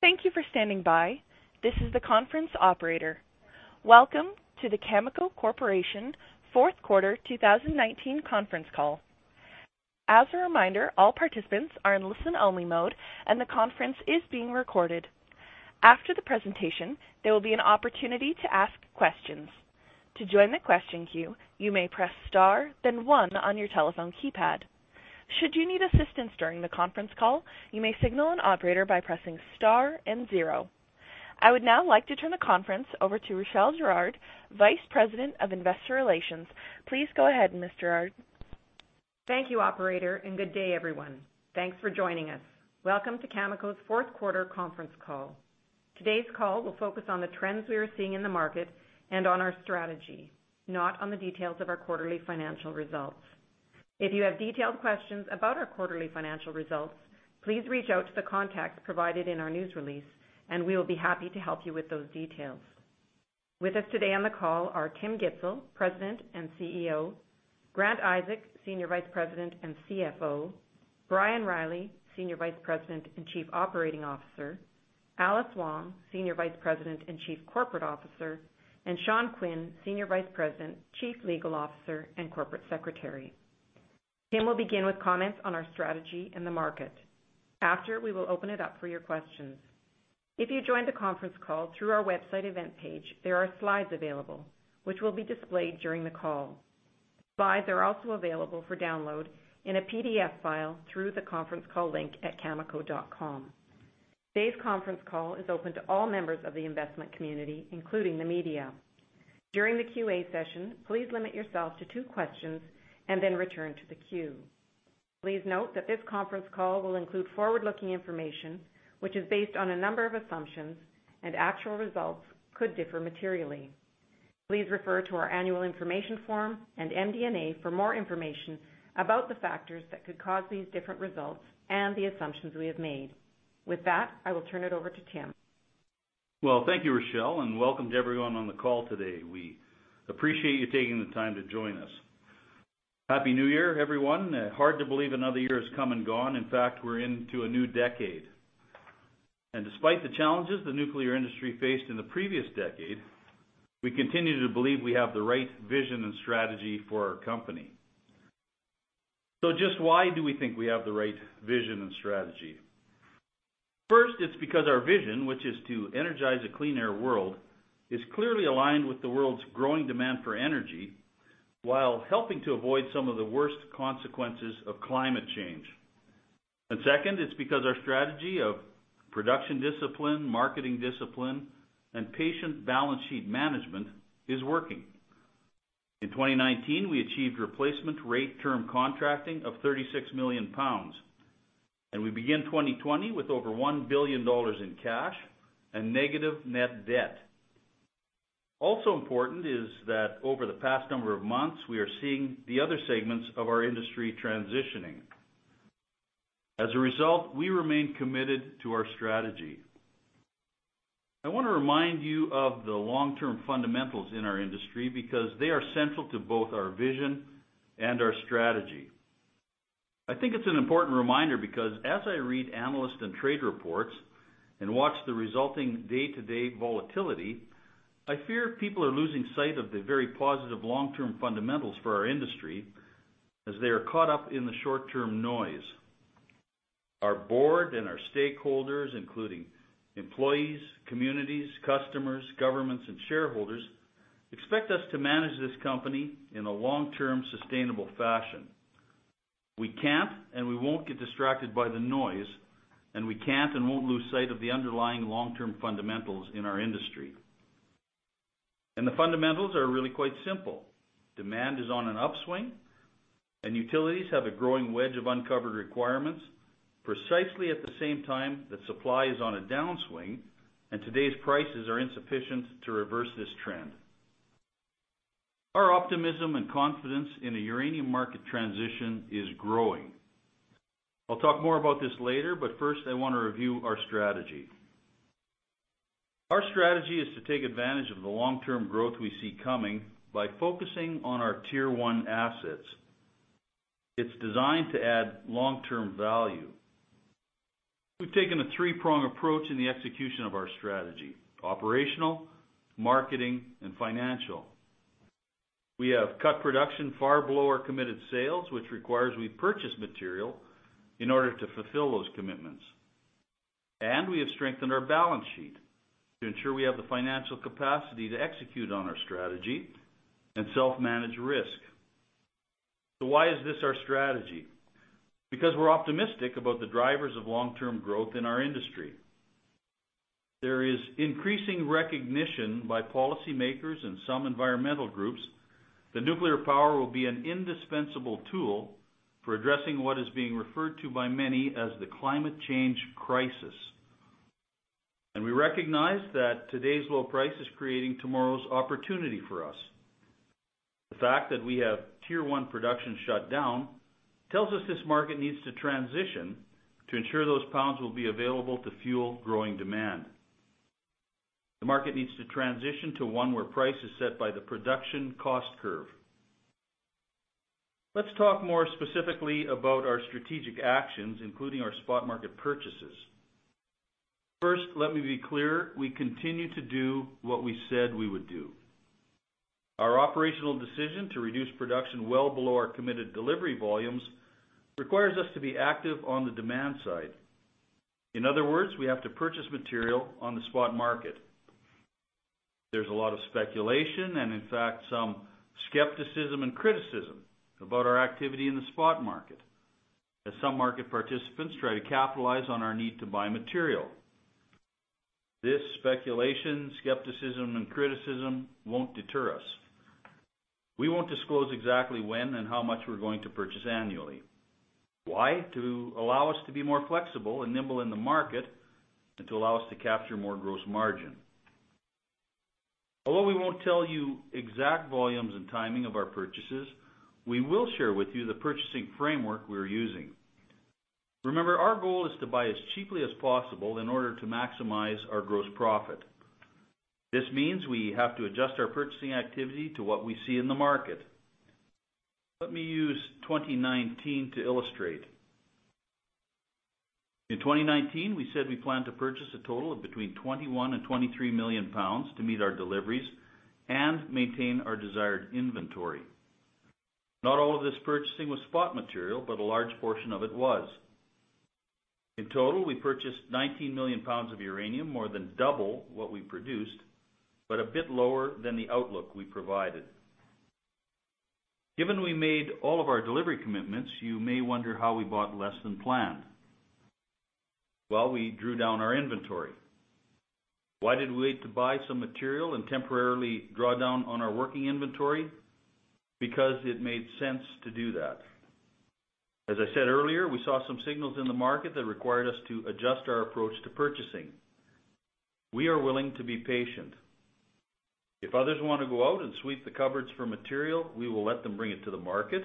Thank you for standing by. This is the conference operator. Welcome to the Cameco Corporation fourth quarter 2019 conference call. As a reminder, all participants are in listen-only mode, and the conference is being recorded. After the presentation, there will be an opportunity to ask questions. To join the question queue, you may press star then one on your telephone keypad. Should you need assistance during the conference call, you may signal an operator by pressing star and zero. I would now like to turn the conference over to Rachelle Girard, Vice President of Investor Relations. Please go ahead, Ms. Girard. Thank you, operator. Good day, everyone. Thanks for joining us. Welcome to Cameco's fourth quarter conference call. Today's call will focus on the trends we are seeing in the market and on our strategy, not on the details of our quarterly financial results. If you have detailed questions about our quarterly financial results, please reach out to the contacts provided in our news release, and we will be happy to help you with those details. With us today on the call are Tim Gitzel, President and CEO, Grant Isaac, Senior Vice President and CFO, Brian Reilly, Senior Vice President and Chief Operating Officer, Alice Wong, Senior Vice President and Chief Corporate Officer, and Sean Quinn, Senior Vice President, Chief Legal Officer, and Corporate Secretary. Tim will begin with comments on our strategy and the market. After, we will open it up for your questions. If you joined the conference call through our website event page, there are slides available which will be displayed during the call. Slides are also available for download in a PDF file through the conference call link at cameco.com. Today's conference call is open to all members of the investment community, including the media. During the QA session, please limit yourself to two questions and then return to the queue. Please note that this conference call will include forward-looking information, which is based on a number of assumptions, and actual results could differ materially. Please refer to our annual information form and MD&A for more information about the factors that could cause these different results and the assumptions we have made. With that, I will turn it over to Tim. Well, thank you, Rachelle, and welcome to everyone on the call today. We appreciate you taking the time to join us. Happy New Year, everyone. Hard to believe another year has come and gone. In fact, we're into a new decade. Despite the challenges the nuclear industry faced in the previous decade, we continue to believe we have the right vision and strategy for our company. So just why do we think we have the right vision and strategy? First, it's because our vision, which is to energize a clean air world, is clearly aligned with the world's growing demand for energy while helping to avoid some of the worst consequences of climate change. Second, it's because our strategy of production discipline, marketing discipline, and patient balance sheet management is working. In 2019, we achieved replacement rate term contracting of 36 million pounds. We begin 2020 with over 1 billion dollars in cash and negative net debt. Important is that over the past number of months, we are seeing the other segments of our industry transitioning. As a result, we remain committed to our strategy. I want to remind you of the long-term fundamentals in our industry because they are central to both our vision and our strategy. I think it's an important reminder because as I read analyst and trade reports and watch the resulting day-to-day volatility, I fear people are losing sight of the very positive long-term fundamentals for our industry as they are caught up in the short-term noise. Our board and our stakeholders, including employees, communities, customers, governments, and shareholders, expect us to manage this company in a long-term, sustainable fashion. We can't and we won't get distracted by the noise, we can't and won't lose sight of the underlying long-term fundamentals in our industry. The fundamentals are really quite simple. Demand is on an upswing, and utilities have a growing wedge of uncovered requirements precisely at the same time that supply is on a downswing and today's prices are insufficient to reverse this trend. Our optimism and confidence in a uranium market transition is growing. I'll talk more about this later, but first, I want to review our strategy. Our strategy is to take advantage of the long-term growth we see coming by focusing on our Tier-one assets. It's designed to add long-term value. We've taken a three-prong approach in the execution of our strategy: operational, marketing, and financial. We have cut production far below our committed sales, which requires we purchase material in order to fulfill those commitments. We have strengthened our balance sheet to ensure we have the financial capacity to execute on our strategy and self-manage risk. Why is this our strategy? We're optimistic about the drivers of long-term growth in our industry. There is increasing recognition by policymakers and some environmental groups that nuclear power will be an indispensable tool for addressing what is being referred to by many as the climate change crisis. We recognize that today's low price is creating tomorrow's opportunity for us. The fact that we have Tier-1 production shut down tells us this market needs to transition to ensure those pounds will be available to fuel growth. The market needs to transition to one where price is set by the production cost curve. Let's talk more specifically about our strategic actions, including our spot market purchases. First, let me be clear, we continue to do what we said we would do. Our operational decision to reduce production well below our committed delivery volumes requires us to be active on the demand side. We have to purchase material on the spot market. There's a lot of speculation and in fact some skepticism and criticism about our activity in the spot market, as some market participants try to capitalize on our need to buy material. This speculation, skepticism, and criticism won't deter us. We won't disclose exactly when and how much we're going to purchase annually. Why? To allow us to be more flexible and nimble in the market and to allow us to capture more gross margin. Although we won't tell you exact volumes and timing of our purchases, we will share with you the purchasing framework we're using. Remember, our goal is to buy as cheaply as possible in order to maximize our gross profit. This means we have to adjust our purchasing activity to what we see in the market. Let me use 2019 to illustrate. In 2019, we said we plan to purchase a total of between 21 and 23 million pounds to meet our deliveries and maintain our desired inventory. Not all of this purchasing was spot material, but a large portion of it was. In total, we purchased 19 million pounds of uranium, more than double what we produced, but a bit lower than the outlook we provided. Given we made all of our delivery commitments, you may wonder how we bought less than planned. Well, we drew down our inventory. Why did we wait to buy some material and temporarily draw down on our working inventory? Because it made sense to do that. As I said earlier, we saw some signals in the market that required us to adjust our approach to purchasing. We are willing to be patient. If others want to go out and sweep the cupboards for material, we will let them bring it to the market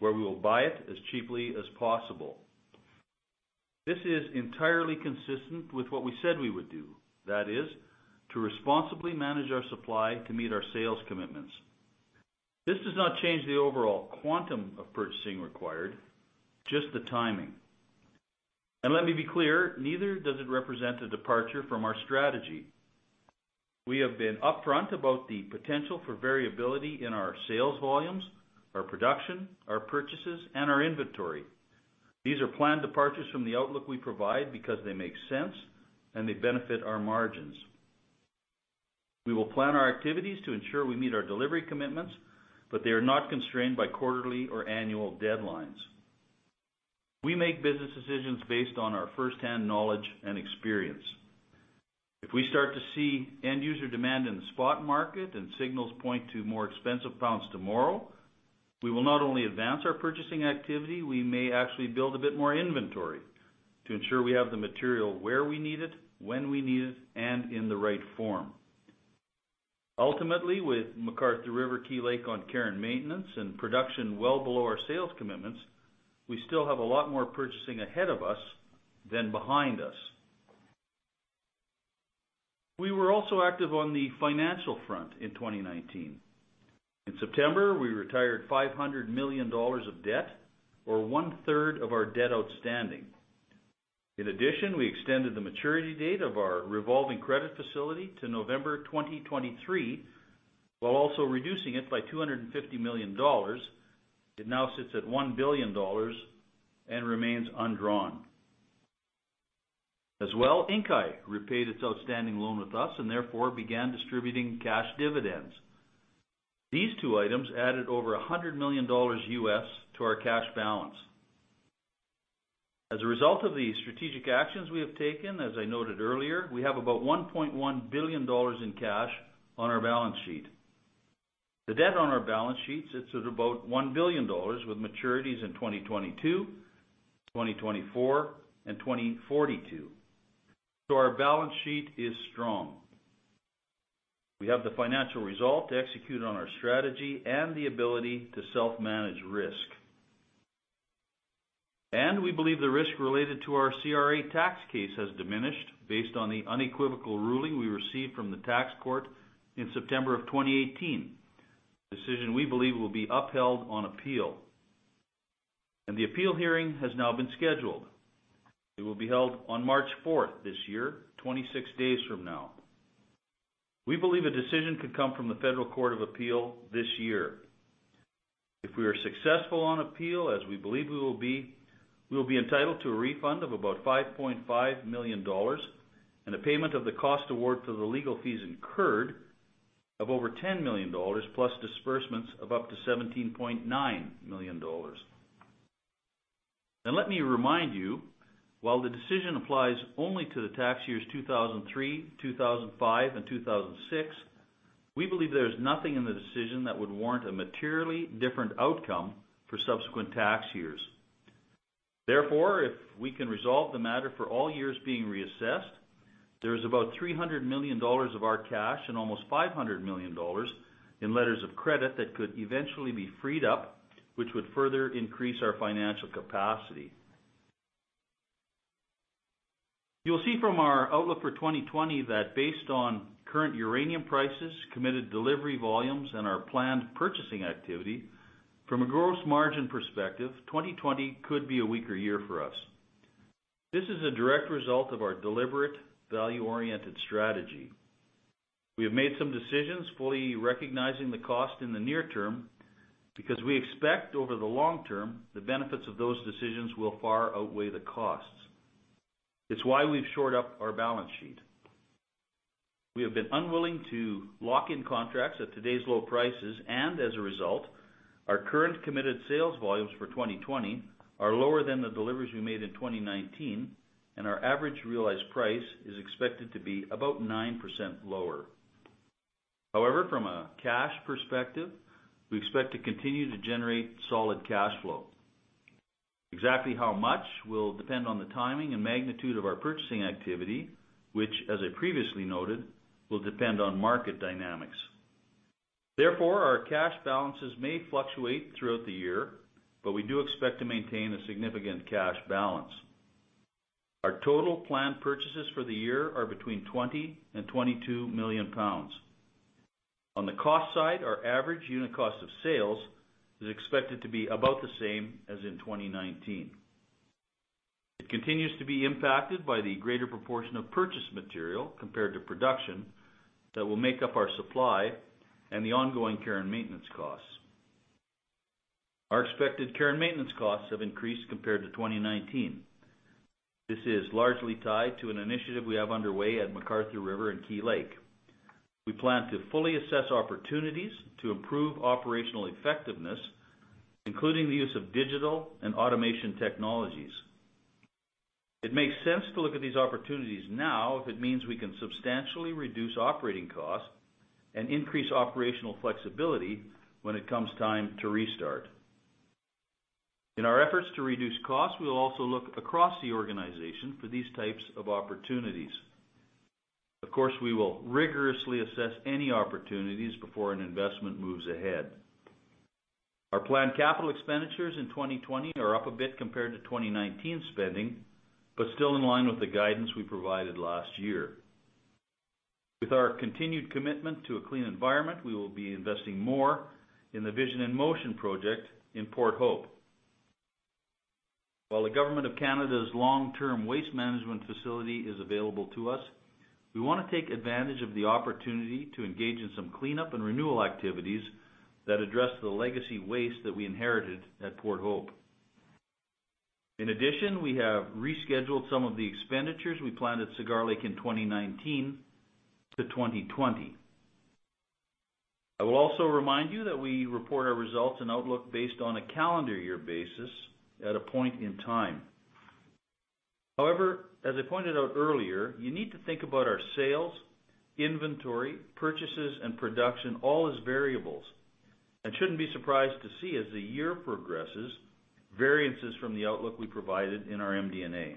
where we will buy it as cheaply as possible. This is entirely consistent with what we said we would do. That is, to responsibly manage our supply to meet our sales commitments. This does not change the overall quantum of purchasing required, just the timing. Let me be clear, neither does it represent a departure from our strategy. We have been upfront about the potential for variability in our sales volumes, our production, our purchases, and our inventory. These are planned departures from the outlook we provide because they make sense and they benefit our margins. We will plan our activities to ensure we meet our delivery commitments, but they are not constrained by quarterly or annual deadlines. We make business decisions based on our firsthand knowledge and experience. If we start to see end user demand in the spot market and signals point to more expensive pounds tomorrow, we will not only advance our purchasing activity, we may actually build a bit more inventory to ensure we have the material where we need it, when we need it, and in the right form. Ultimately, with McArthur River/Key Lake on care and maintenance and production well below our sales commitments, we still have a lot more purchasing ahead of us than behind us. We were also active on the financial front in 2019. In September, we retired 500 million dollars of debt or one third of our debt outstanding. In addition, we extended the maturity date of our revolving credit facility to November 2023, while also reducing it by 250 million dollars. It now sits at 1 billion dollars and remains undrawn. As well, Inkai repaid its outstanding loan with us and therefore began distributing cash dividends. These two items added over $100 million US to our cash balance. As a result of the strategic actions we have taken, as I noted earlier, we have about 1.1 billion dollars in cash on our balance sheet. The debt on our balance sheet sits at about 1 billion dollars with maturities in 2022, 2024, and 2042. Our balance sheet is strong. We have the financial result to execute on our strategy and the ability to self-manage risk. We believe the risk related to our CRA tax case has diminished based on the unequivocal ruling we received from the tax court in September 2018. A decision we believe will be upheld on appeal. The appeal hearing has now been scheduled. It will be held on March 4th this year, 26 days from now. We believe a decision could come from the Federal Court of Appeal this year. If we are successful on appeal, as we believe we will be, we will be entitled to a refund of about 5.5 million dollars and a payment of the cost award for the legal fees incurred of over 10 million dollars, plus disbursements of up to 17.9 million dollars. Let me remind you, while the decision applies only to the tax years 2003, 2005, and 2006, we believe there is nothing in the decision that would warrant a materially different outcome for subsequent tax years. If we can resolve the matter for all years being reassessed, there is about 300 million dollars of our cash and almost 500 million dollars in letters of credit that could eventually be freed up, which would further increase our financial capacity. You'll see from our outlook for 2020 that based on current uranium prices, committed delivery volumes, and our planned purchasing activity, from a gross margin perspective, 2020 could be a weaker year for us. This is a direct result of our deliberate value-oriented strategy. We have made some decisions fully recognizing the cost in the near term, because we expect over the long-term, the benefits of those decisions will far outweigh the costs. It's why we've shored up our balance sheet. We have been unwilling to lock in contracts at today's low prices. As a result, our current committed sales volumes for 2020 are lower than the deliveries we made in 2019, and our average realized price is expected to be about 9% lower. From a cash perspective, we expect to continue to generate solid cash flow. Exactly how much will depend on the timing and magnitude of our purchasing activity, which as I previously noted, will depend on market dynamics. Our cash balances may fluctuate throughout the year, but we do expect to maintain a significant cash balance. Our total planned purchases for the year are between 20 and 22 million pounds. On the cost side, our average unit cost of sales is expected to be about the same as in 2019. It continues to be impacted by the greater proportion of purchased material compared to production that will make up our supply and the ongoing care and maintenance costs. Our expected care and maintenance costs have increased compared to 2019. This is largely tied to an initiative we have underway at McArthur River and Key Lake. We plan to fully assess opportunities to improve operational effectiveness, including the use of digital and automation technologies. It makes sense to look at these opportunities now if it means we can substantially reduce operating costs and increase operational flexibility when it comes time to restart. In our efforts to reduce costs, we'll also look across the organization for these types of opportunities. Of course, we will rigorously assess any opportunities before an investment moves ahead. Our planned capital expenditures in 2020 are up a bit compared to 2019 spending, still in line with the guidance we provided last year. With our continued commitment to a clean environment, we will be investing more in the Vision in Motion project in Port Hope. While the Government of Canada's long-term waste management facility is available to us, we want to take advantage of the opportunity to engage in some cleanup and renewal activities that address the legacy waste that we inherited at Port Hope. In addition, we have rescheduled some of the expenditures we planned at Cigar Lake in 2019 - 2020. I will also remind you that we report our results and outlook based on a calendar year basis at a point in time. However, as I pointed out earlier, you need to think about our sales, inventory, purchases, and production all as variables and shouldn't be surprised to see as the year progresses, variances from the outlook we provided in our MD&A.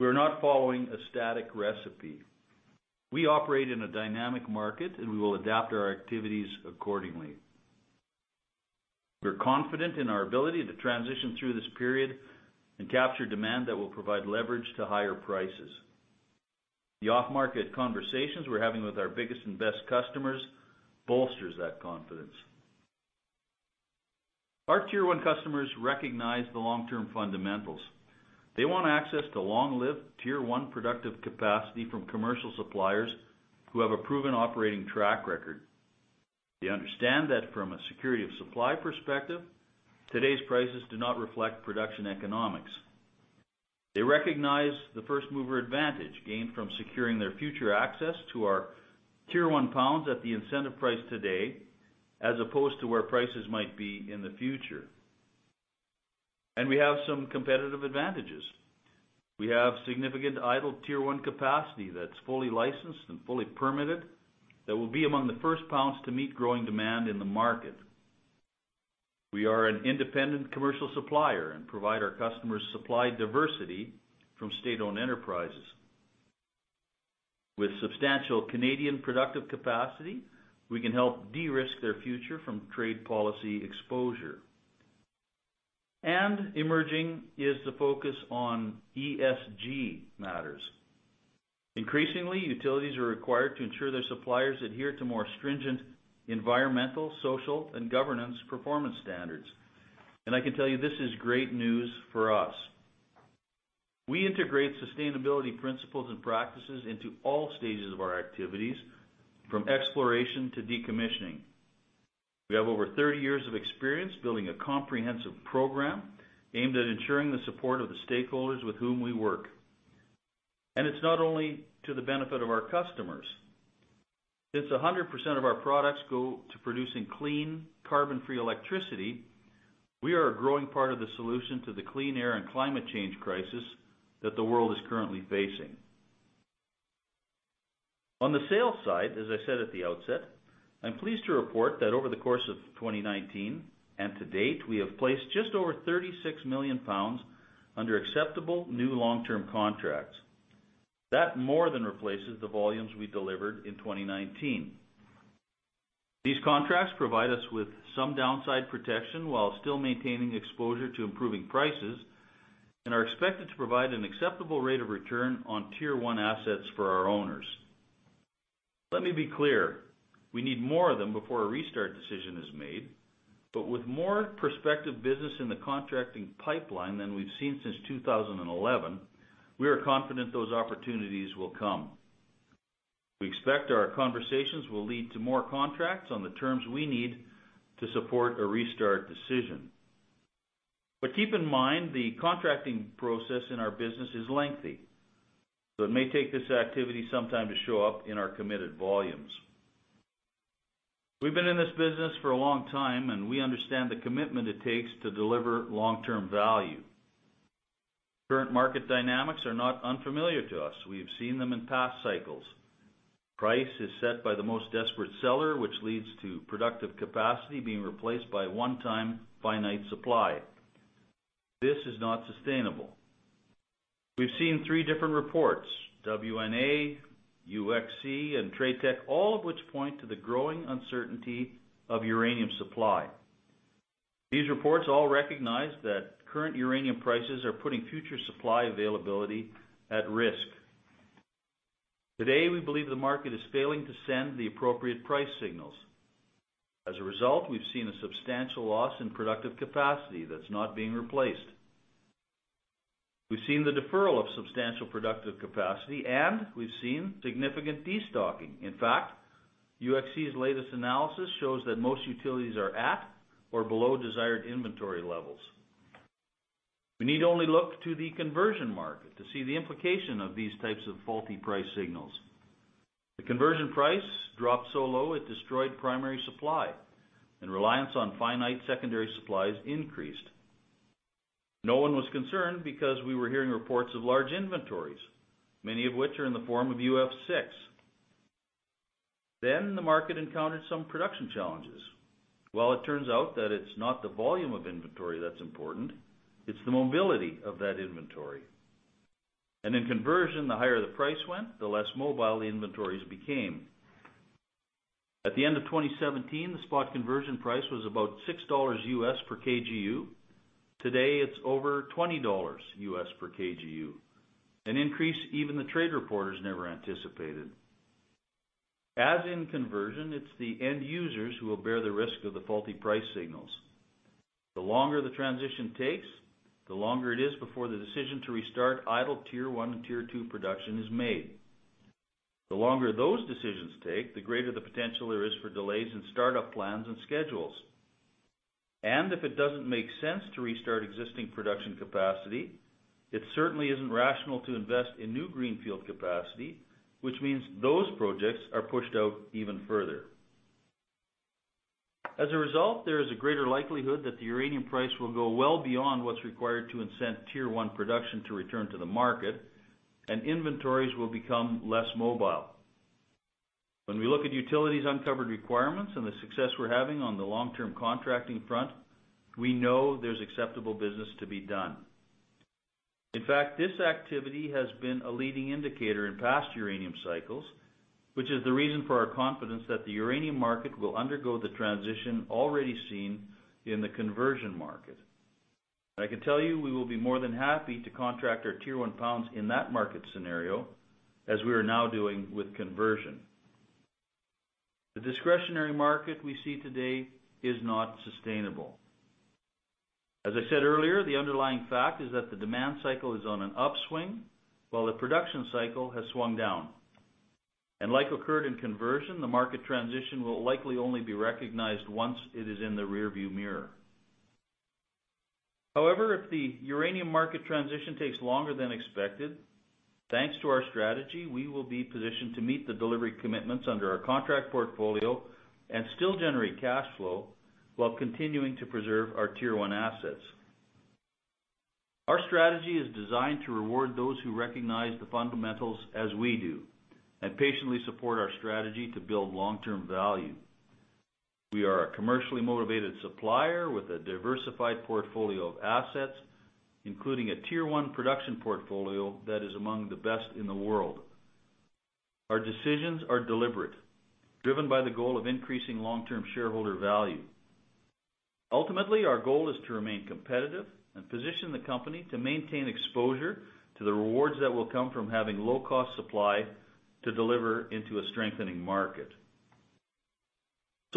We are not following a static recipe. We operate in a dynamic market, and we will adapt our activities accordingly. We're confident in our ability to transition through this period and capture demand that will provide leverage to higher prices. The off-market conversations we're having with our biggest and best customers bolsters that confidence. Our Tier-1 customers recognize the long-term fundamentals. They want access to long-lived Tier-1 productive capacity from commercial suppliers who have a proven operating track record. They understand that from a security of supply perspective, today's prices do not reflect production economics. They recognize the first-mover advantage gained from securing their future access to our Tier-1 pounds at the incentive price today as opposed to where prices might be in the future. We have some competitive advantages. We have significant idle Tier-1 capacity that's fully licensed and fully permitted that will be among the first pounds to meet growing demand in the market. We are an independent commercial supplier and provide our customers supply diversity from state-owned enterprises. With substantial Canadian productive capacity, we can help de-risk their future from trade policy exposure. Emerging is the focus on ESG matters. Increasingly, utilities are required to ensure their suppliers adhere to more stringent environmental, social, and governance performance standards. I can tell you this is great news for us. We integrate sustainability principles and practices into all stages of our activities from exploration to decommissioning. We have over 30 years of experience building a comprehensive program aimed at ensuring the support of the stakeholders with whom we work. It's not only to the benefit of our customers. Since 100% of our products go to producing clean carbon-free electricity, we are a growing part of the solution to the clean air and climate change crisis that the world is currently facing. On the sales side, as I said at the outset, I'm pleased to report that over the course of 2019 and to date, we have placed just over 36 million pounds under acceptable new long-term contracts. That more than replaces the volumes we delivered in 2019. These contracts provide us with some downside protection while still maintaining exposure to improving prices and are expected to provide an acceptable rate of return on Tier-1 assets for our owners. Let me be clear, we need more of them before a restart decision is made, with more prospective business in the contracting pipeline than we've seen since 2011, we are confident those opportunities will come. We expect our conversations will lead to more contracts on the terms we need to support a restart decision. Keep in mind, the contracting process in our business is lengthy, so it may take this activity some time to show up in our committed volumes. We've been in this business for a long time, and we understand the commitment it takes to deliver long-term value. Current market dynamics are not unfamiliar to us. We have seen them in past cycles. Price is set by the most desperate seller, which leads to productive capacity being replaced by one-time finite supply. This is not sustainable. We've seen three different reports, WNA, UxC, and TradeTech, all of which point to the growing uncertainty of uranium supply. These reports all recognize that current uranium prices are putting future supply availability at risk. Today, we believe the market is failing to send the appropriate price signals. As a result, we've seen a substantial loss in productive capacity that's not being replaced. We've seen the deferral of substantial productive capacity, and we've seen significant destocking. In fact, UxC's latest analysis shows that most utilities are at or below desired inventory levels. We need only look to the conversion market to see the implication of these types of faulty price signals. The conversion price dropped so low it destroyed primary supply and reliance on finite secondary supplies increased. No one was concerned because we were hearing reports of large inventories, many of which are in the form of UF6. The market encountered some production challenges. Well, it turns out that it's not the volume of inventory that's important, it's the mobility of that inventory. In conversion, the higher the price went, the less mobile the inventories became. At the end of 2017, the spot conversion price was about $6 U.S. per kgU. Today it's over $20 U.S. per kgU, an increase even the trade reporters never anticipated. As in conversion, it's the end users who will bear the risk of the faulty price signals. The longer the transition takes, the longer it is before the decision to restart idle Tier-1 and Tier-2 production is made. The longer those decisions take, the greater the potential there is for delays in startup plans and schedules. If it doesn't make sense to restart existing production capacity, it certainly isn't rational to invest in new greenfield capacity, which means those projects are pushed out even further. As a result, there is a greater likelihood that the uranium price will go well beyond what's required to incent Tier-1 production to return to the market and inventories will become less mobile. When we look at utilities' uncovered requirements and the success we're having on the long-term contracting front, we know there's acceptable business to be done. In fact, this activity has been a leading indicator in past uranium cycles, which is the reason for our confidence that the uranium market will undergo the transition already seen in the conversion market. I can tell you, we will be more than happy to contract our Tier-1 pounds in that market scenario, as we are now doing with conversion. The discretionary market we see today is not sustainable. As I said earlier, the underlying fact is that the demand cycle is on an upswing while the production cycle has swung down. Like occurred in conversion, the market transition will likely only be recognized once it is in the rearview mirror. However, if the uranium market transition takes longer than expected, thanks to our strategy, we will be positioned to meet the delivery commitments under our contract portfolio and still generate cash flow while continuing to preserve our Tier-1 assets. Our strategy is designed to reward those who recognize the fundamentals as we do and patiently support our strategy to build long-term value. We are a commercially motivated supplier with a diversified portfolio of assets, including a Tier-1 production portfolio that is among the best in the world. Our decisions are deliberate, driven by the goal of increasing long-term shareholder value. Ultimately, our goal is to remain competitive and position the company to maintain exposure to the rewards that will come from having low-cost supply to deliver into a strengthening market.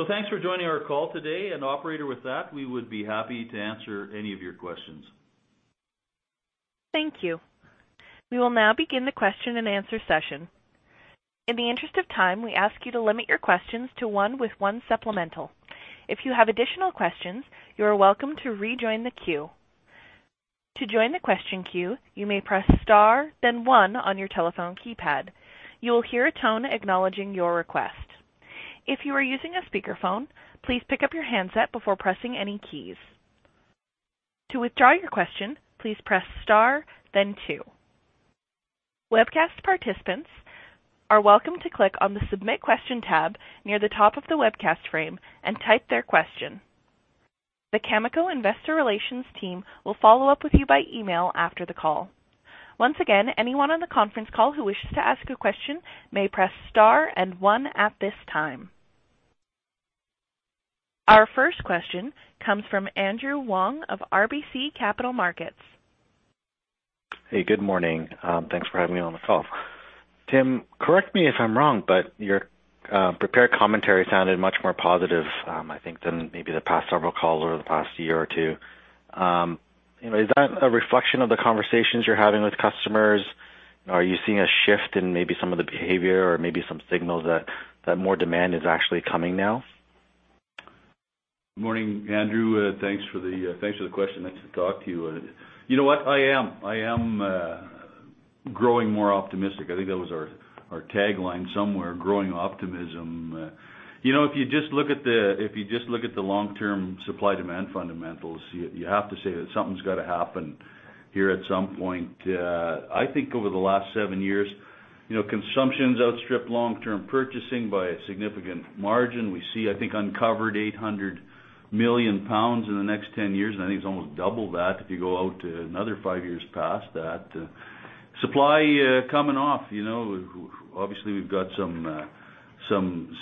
Thanks for joining our call today, and operator, with that, we would be happy to answer any of your questions. Thank you. We will now begin the question-and-answer session. In the interest of time, we ask you to limit your questions to one with one supplemental. If you have additional questions, you are welcome to rejoin the queue. To join the question queue, you may press star then one on your telephone keypad. You will hear a tone acknowledging your request. If you are using a speakerphone, please pick up your handset before pressing any keys. To withdraw your question, please press star then two. Webcast participants are welcome to click on the Submit Question tab near the top of the webcast frame and type their question. The Cameco Investor Relations team will follow up with you by email after the call. Once again, anyone on the conference call who wishes to ask a question may press star and one at this time. Our first question comes from Andrew Wong of RBC Capital Markets. Hey, good morning. Thanks for having me on the call. Tim, correct me if I'm wrong. Your prepared commentary sounded much more positive, I think, than maybe the past several calls over the past year or two. Is that a reflection of the conversations you're having with customers? Are you seeing a shift in maybe some of the behavior or maybe some signals that more demand is actually coming now? Good morning, Andrew. Thanks for the question. Nice to talk to you. You know what? I am growing more optimistic. I think that was our tagline somewhere, growing optimism. If you just look at the long-term supply-demand fundamentals, you have to say that something's got to happen here at some point. I think over the last seven years, consumption's outstripped long-term purchasing by a significant margin. We see, I think, uncovered 800 million pounds in the next 10 years, and I think it's almost double that if you go out to another five years past that. Supply coming off. Obviously, we've got some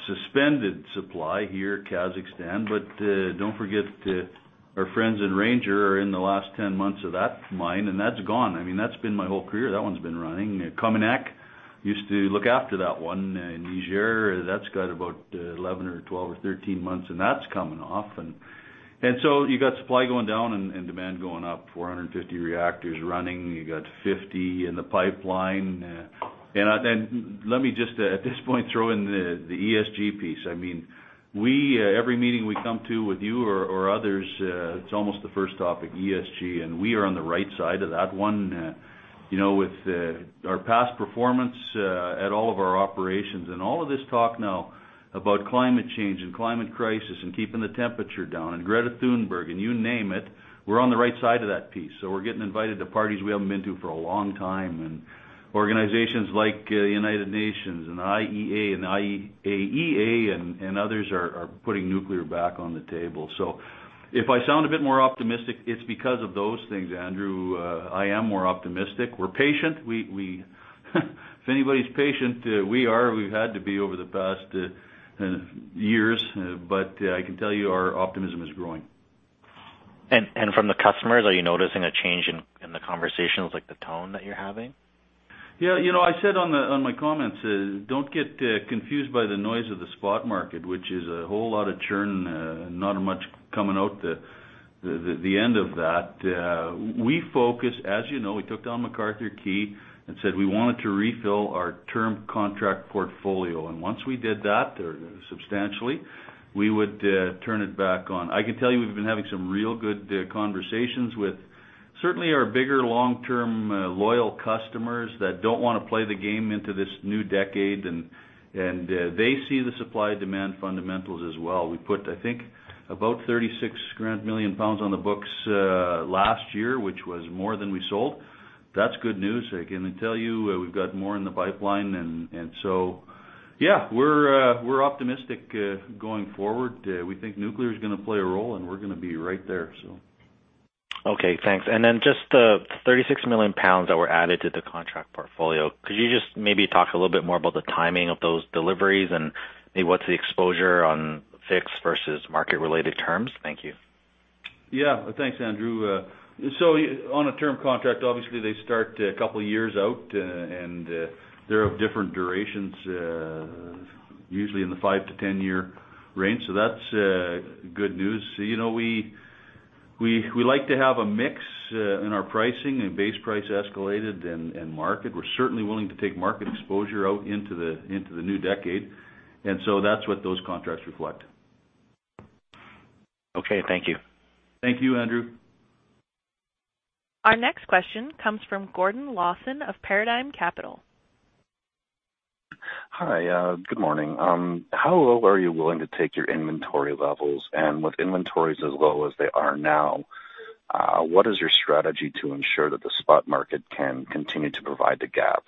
suspended supply here, Kazakhstan. Don't forget our friends in Ranger are in the last 10 months of that mine, and that's gone. That's been my whole career. That one's been running. COMINAK used to look after that one in Niger. That's got about 11 or 12 or 13 months, and that's coming off. You got supply going down and demand going up, 450 reactors running. You got 50 in the pipeline. Let me just, at this point, throw in the ESG piece. Every meeting we come to with you or others, it's almost the first topic, ESG, and we are on the right side of that one. With our past performance at all of our operations and all of this talk now about climate change and climate crisis and keeping the temperature down and Greta Thunberg, and you name it, we're on the right side of that piece. We're getting invited to parties we haven't been to for a long time, and organizations like United Nations and IEA and IAEA and others are putting nuclear back on the table. If I sound a bit more optimistic, it's because of those things, Andrew. I am more optimistic. We're patient. If anybody's patient, we are. We've had to be over the past years, I can tell you our optimism is growing. From the customers, are you noticing a change in the conversations, like the tone that you're having? Yeah. I said on my comments, don't get confused by the noise of the spot market, which is a whole lot of churn, not much coming out the end of that. We focus, as you know, we took down McArthur Key and said we wanted to refill our term contract portfolio, and once we did that substantially, we would turn it back on. I can tell you we've been having some real good conversations with certainly our bigger long-term, loyal customers that don't want to play the game into this new decade, and they see the supply-demand fundamentals as well. We put, I think, about 36 million pounds on the books last year, which was more than we sold. That's good news. I can tell you we've got more in the pipeline and so, yeah, we're optimistic going forward. We think nuclear's going to play a role, and we're going to be right there. Okay, thanks. Just the 36 million pounds that were added to the contract portfolio, could you just maybe talk a little bit more about the timing of those deliveries and maybe what's the exposure on fixed versus market-related terms? Thank you. Yeah. Thanks, Andrew. On a term contract, obviously they start a couple of years out, and they're of different durations, usually in the 5-10 year range. That's good news. We like to have a mix in our pricing and base price escalated and market. We're certainly willing to take market exposure out into the new decade, and so that's what those contracts reflect. Okay, thank you. Thank you, Andrew. Our next question comes from Gordon Lawson of Paradigm Capital. Hi, good morning. How low are you willing to take your inventory levels? With inventories as low as they are now, what is your strategy to ensure that the spot market can continue to provide the gap?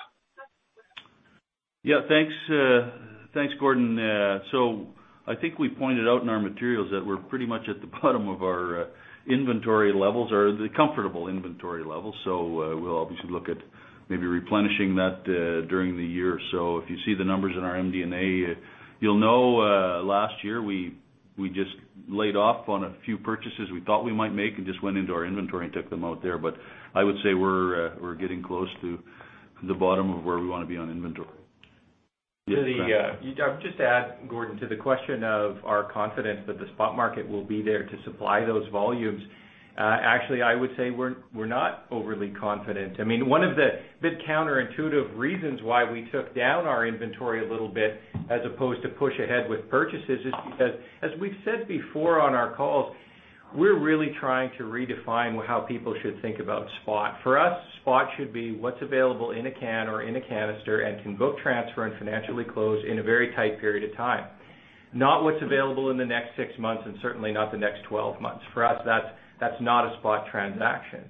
Yeah. Thanks, Gordon. I think we pointed out in our materials that we're pretty much at the bottom of our inventory levels or the comfortable inventory levels. We'll obviously look at maybe replenishing that during the year. If you see the numbers in our MD&A, you'll know, last year, we just laid off on a few purchases we thought we might make and just went into our inventory and took them out there. I would say we're getting close to the bottom of where we want to be on inventory. Just to add, Gordon, to the question of our confidence that the spot market will be there to supply those volumes. Actually, I would say we're not overly confident. One of the bit counterintuitive reasons why we took down our inventory a little bit as opposed to push ahead with purchases is because, as we've said before on our calls, we're really trying to redefine how people should think about spot. For us, spot should be what's available in a can or in a canister and can book transfer and financially close in a very tight period of time. Not what's available in the next six months, and certainly not the next 12 months. For us, that's not a spot transaction.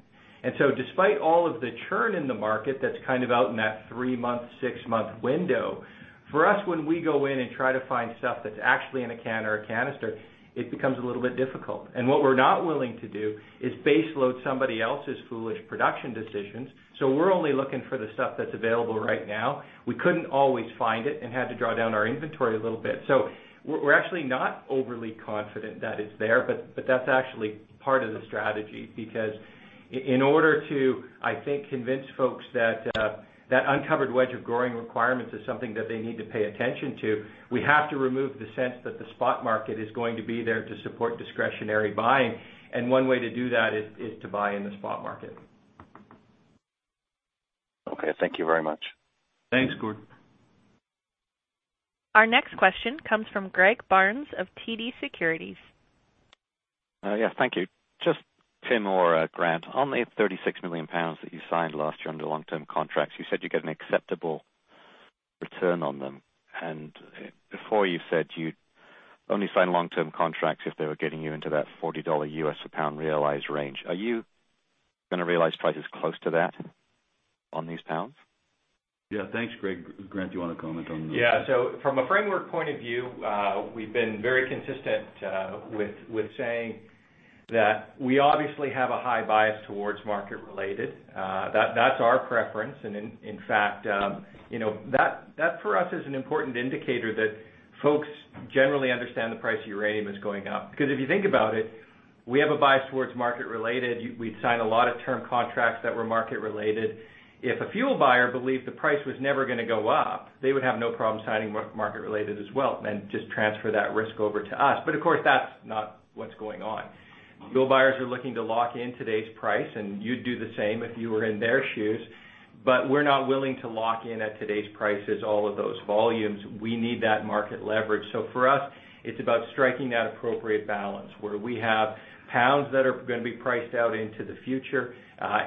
Despite all of the churn in the market that's out in that three-month, six-month window, for us, when we go in and try to find stuff that's actually in a can or a canister, it becomes a little bit difficult. What we're not willing to do is baseload somebody else's foolish production decisions. We're only looking for the stuff that's available right now. We couldn't always find it and had to draw down our inventory a little bit. We're actually not overly confident that it's there, but that's actually part of the strategy because in order to, I think, convince folks that that uncovered wedge of growing requirements is something that they need to pay attention to, we have to remove the sense that the spot market is going to be there to support discretionary buying. One way to do that is to buy in the spot market. Okay, thank you very much. Thanks, Gordon. Our next question comes from Greg Barnes of TD Securities. Yes, thank you. Just Tim or Grant, on the 36 million pounds that you signed last year under long-term contracts, you said you get an acceptable return on them. Before, you said you'd only sign long-term contracts if they were getting you into that $40 U.S. a pound realized range. Are you going to realize prices close to that on these pounds? Yeah. Thanks, Greg. Grant, do you want to comment on those? From a framework point of view, we've been very consistent with saying that we obviously have a high bias towards market related. That's our preference. In fact, that for us is an important indicator that folks generally understand the price of uranium is going up. If you think about it, we have a bias towards market related. We'd sign a lot of term contracts that were market related. If a fuel buyer believed the price was never going to go up, they would have no problem signing market related as well and just transfer that risk over to us. Of course, that's not what's going on. Fuel buyers are looking to lock in today's price, and you'd do the same if you were in their shoes, but we're not willing to lock in at today's prices all of those volumes. We need that market leverage. For us, it's about striking that appropriate balance where we have pounds that are going to be priced out into the future,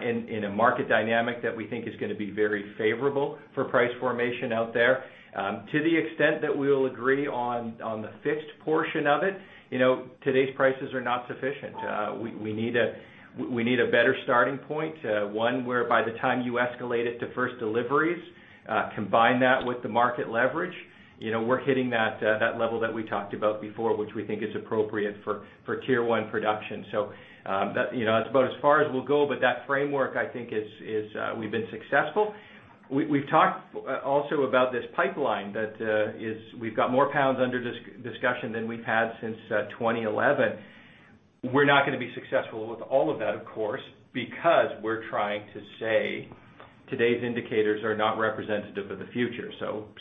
in a market dynamic that we think is going to be very favorable for price formation out there. To the extent that we will agree on the fixed portion of it, today's prices are not sufficient. We need a better starting point. One, where by the time you escalate it to first deliveries, combine that with the market leverage, we're hitting that level that we talked about before, which we think is appropriate for Tier-1 production. That's about as far as we'll go, but that framework, I think, we've been successful. We've talked also about this pipeline. That is, we've got more pounds under discussion than we've had since 2011. We're not going to be successful with all of that, of course, because we're trying to say today's indicators are not representative of the future.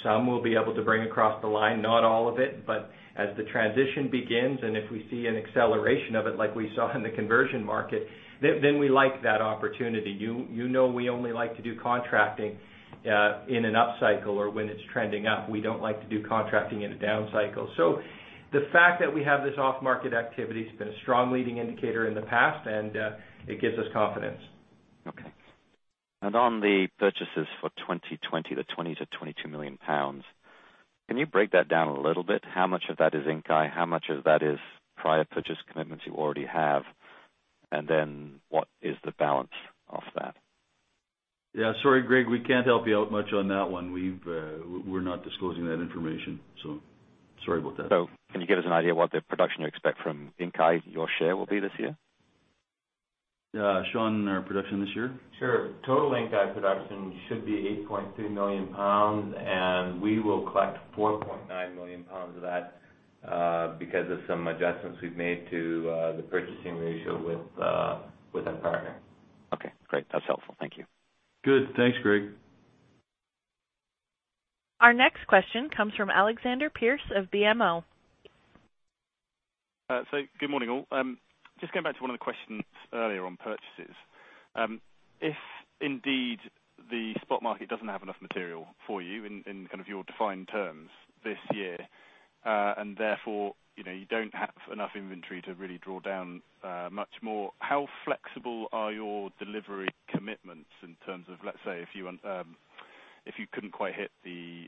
Some we'll be able to bring across the line, not all of it, but as the transition begins, and if we see an acceleration of it like we saw in the conversion market, then we like that opportunity. You know we only like to do contracting in an upcycle or when it's trending up. We don't like to do contracting in a downcycle. The fact that we have this off-market activity has been a strong leading indicator in the past, and it gives us confidence. Okay. On the purchases for 2020, the 20-22 million pounds, can you break that down a little bit? How much of that is Inkai? How much of that is prior purchase commitments you already have? What is the balance of that? Yeah. Sorry, Greg. We can't help you out much on that one. We're not disclosing that information, so sorry about that. Can you give us an idea what the production you expect from Inkai, your share will be this year? Sean, our production this year? Sure. Total Inkai production should be 8.3 million pounds. We will collect 4.9 million pounds of that because of some adjustments we've made to the purchasing ratio with our partner. Okay, great. That's helpful. Thank you. Good. Thanks, Greg. Our next question comes from Alexander Pearce of BMO. Good morning, all. Just going back to one of the questions earlier on purchases. If indeed the spot market doesn't have enough material for you in your defined terms this year, and therefore, you don't have enough inventory to really draw down much more, how flexible are your delivery commitments in terms of, let's say, if you couldn't quite hit the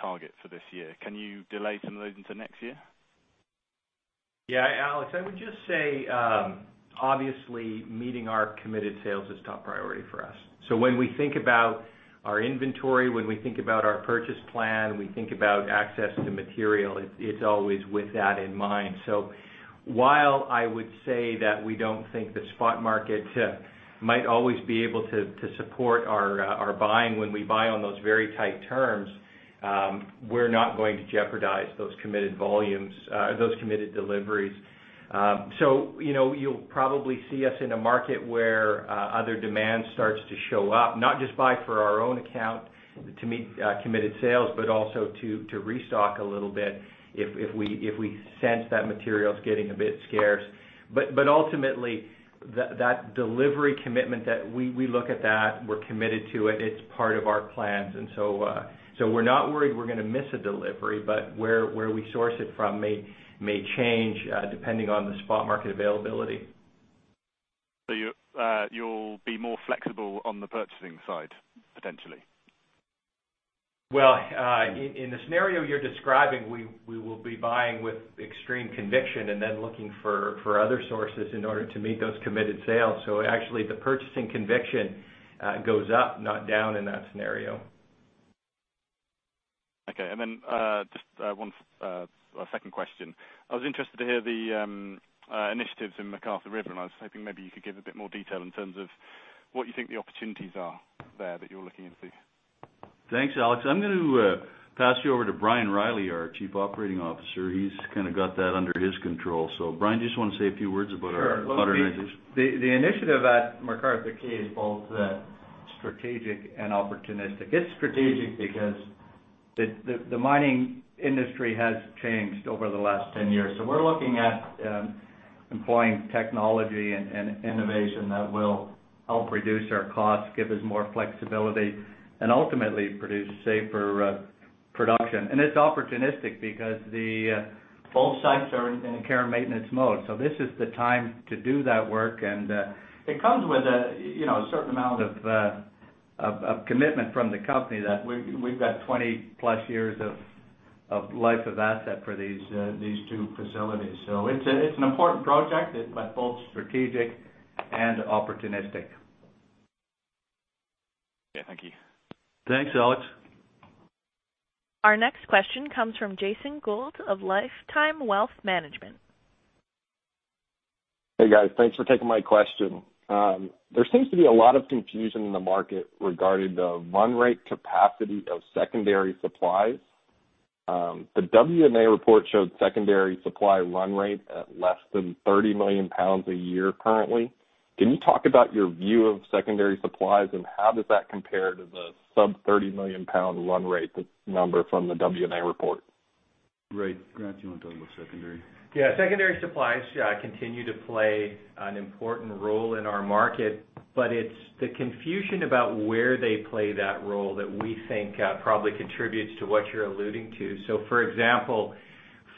target for this year? Can you delay some of those into next year? Yeah. Alex, I would just say, obviously, meeting our committed sales is top priority for us. When we think about our inventory, when we think about our purchase plan, we think about access to material, it's always with that in mind. While I would say that we don't think the spot market might always be able to support our buying when we buy on those very tight terms, we're not going to jeopardize those committed deliveries. You'll probably see us in a market where other demand starts to show up, not just buy for our own account to meet committed sales, but also to restock a little bit if we sense that material is getting a bit scarce. Ultimately, that delivery commitment, we look at that, we're committed to it. It's part of our plans. We're not worried we're going to miss a delivery, but where we source it from may change depending on the spot market availability. You'll be more flexible on the purchasing side, potentially? Well, in the scenario you're describing, we will be buying with extreme conviction and then looking for other sources in order to meet those committed sales. Actually, the purchasing conviction goes up, not down in that scenario. Okay. Just a second question. I was interested to hear the initiatives in McArthur River, and I was hoping maybe you could give a bit more detail in terms of what you think the opportunities are there that you're looking into. Thanks, Alex. I'm going to pass you over to Brian Reilly, our Chief Operating Officer. He's kind of got that under his control. Brian, do you just want to say a few words about our modernization? Sure. The initiative at McArthur River is both strategic and opportunistic. It's strategic because the mining industry has changed over the last 10 years. We're looking at employing technology and innovation that will help reduce our costs, give us more flexibility, and ultimately produce safer production. It's opportunistic because both sites are in a care and maintenance mode. This is the time to do that work, and it comes with a certain amount of commitment from the company that we've got 20+ years of life of asset for these two facilities. It's an important project but both strategic and opportunistic. Okay. Thank you. Thanks, Alex. Our next question comes from Jason Gould of Lifetime Wealth Management. Hey guys. Thanks for taking my question. There seems to be a lot of confusion in the market regarding the run rate capacity of secondary supplies. The WNA report showed secondary supply run rate at less than £ 30 million pounds a year currently. Can you talk about your view of secondary supplies, and how does that compare to the sub 30 million pound run rate, that number from the WNA report? Right. Grant, do you want to talk about secondary? Secondary supplies continue to play an important role in our market, but it's the confusion about where they play that role that we think probably contributes to what you're alluding to. For example,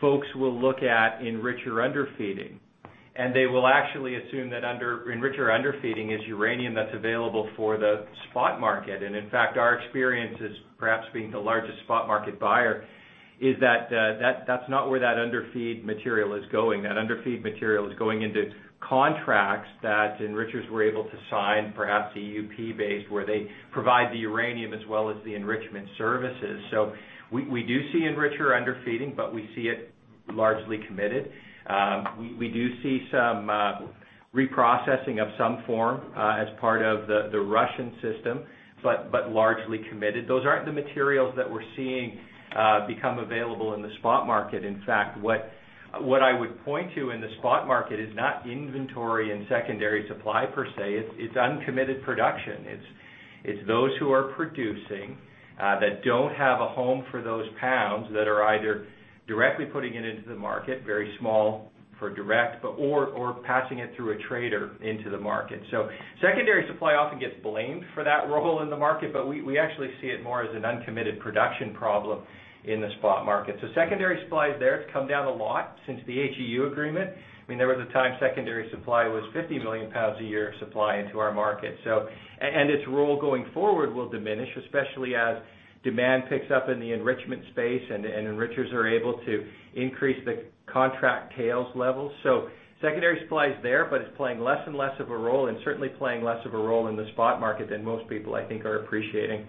folks will look at enricher underfeeding, and they will actually assume that enricher underfeeding is uranium that's available for the spot market. In fact, our experience is perhaps being the largest spot market buyer, is that that's not where that underfeed material is going. That underfeed material is going into contracts that enrichers were able to sign, perhaps EUP based, where they provide the uranium as well as the enrichment services. We do see enricher underfeeding, but we see it largely committed. We do see some reprocessing of some form as part of the Russian system, but largely committed. Those aren't the materials that we're seeing become available in the spot market. In fact, what I would point to in the spot market is not inventory and secondary supply per se. It's uncommitted production. It's those who are producing that don't have a home for those pounds that are either directly putting it into the market, very small for direct, or passing it through a trader into the market. Secondary supply often gets blamed for that role in the market, but we actually see it more as an uncommitted production problem in the spot market. Secondary supply is there. It's come down a lot since the HEU agreement. There was a time secondary supply was 50 million pounds a year of supply into our market. Its role going forward will diminish, especially as demand picks up in the enrichment space and enrichers are able to increase the contract tails level. Secondary supply is there, but it's playing less and less of a role and certainly playing less of a role in the spot market than most people I think are appreciating.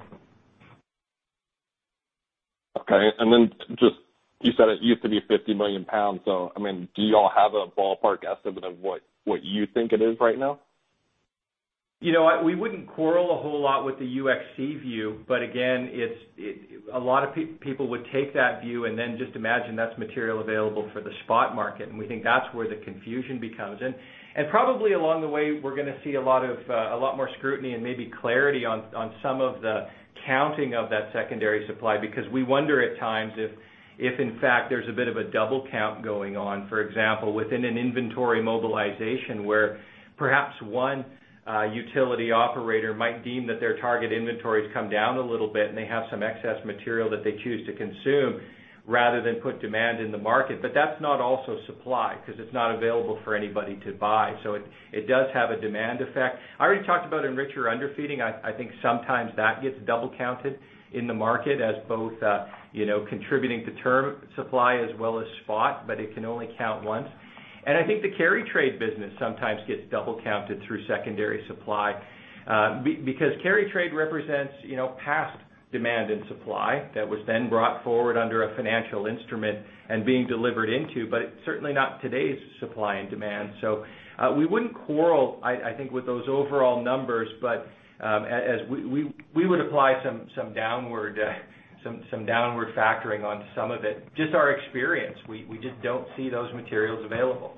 Okay. Just, you said it used to be 50 million pounds. Do you all have a ballpark estimate of what you think it is right now? We wouldn't quarrel a whole lot with the UxC view. Again, a lot of people would take that view and then just imagine that's material available for the spot market. We think that's where the confusion becomes. Probably along the way, we're going to see a lot more scrutiny and maybe clarity on some of the counting of that secondary supply, because we wonder at times if, in fact, there's a bit of a double count going on. For example, within an inventory mobilization where perhaps one utility operator might deem that their target inventory's come down a little bit. They have some excess material that they choose to consume rather than put demand in the market. That's not also supply because it's not available for anybody to buy. It does have a demand effect. I already talked about enricher underfeeding. I think sometimes that gets double counted in the market as both contributing to term supply as well as spot, but it can only count once. I think the carry trade business sometimes gets double counted through secondary supply. Carry trade represents past demand and supply that was then brought forward under a financial instrument and being delivered into, but it's certainly not today's supply and demand. We wouldn't quarrel, I think, with those overall numbers, but we would apply some downward factoring onto some of it. Just our experience. We just don't see those materials available.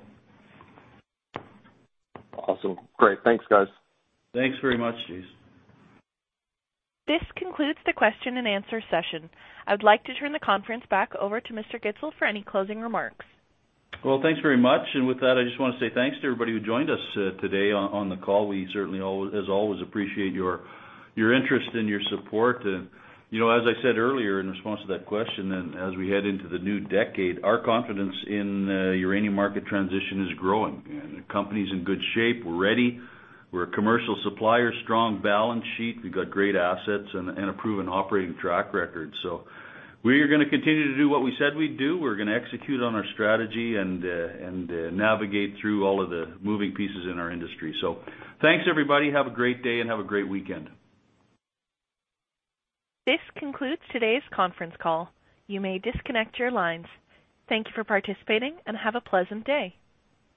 Awesome. Great. Thanks, guys. Thanks very much, Jason. This concludes the question-and-answer session. I would like to turn the conference back over to Mr. Gitzel for any closing remarks. Well, thanks very much. With that, I just want to say thanks to everybody who joined us today on the call. We certainly, as always, appreciate your interest and your support. As I said earlier in response to that question, and as we head into the new decade, our confidence in the uranium market transition is growing, and the company's in good shape. We're ready. We're a commercial supplier, strong balance sheet. We've got great assets and a proven operating track record. We are going to continue to do what we said we'd do. We're going to execute on our strategy and navigate through all of the moving pieces in our industry. Thanks, everybody. Have a great day, and have a great weekend. This concludes today's conference call. You may disconnect your lines. Thank you for participating, and have a pleasant day.